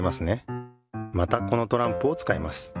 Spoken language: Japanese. またこのトランプをつかいます。